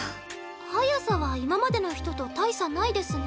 速さは今までの人と大差ないですね。